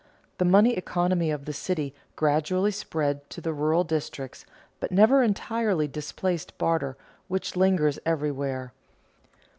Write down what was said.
The money economy of the city gradually spread to the rural districts, but never entirely displaced barter, which lingers everywhere.